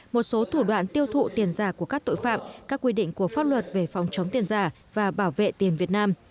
một số thủ đoạn tiêu thụ tiền giả của các tội phạm các quy định của pháp luật về phòng chống tiền giả và bảo vệ tiền việt nam